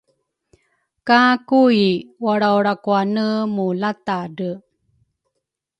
ka Kui walraulrakuane mualatadre.